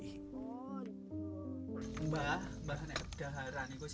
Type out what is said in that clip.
menu hari ini ada remusan kacang panjang sambal dan nasi putih